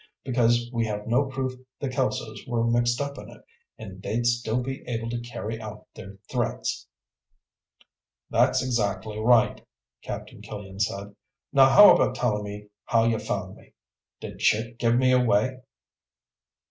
Because we have no proof the Kelsos were mixed up in it, and they'd still be able to carry out their threats." "That's exactly right," Captain Killian said. "Now how about telling me how you found me? Did Chick give me away?"